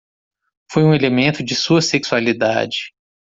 Foi um elemento de sua sexualidade.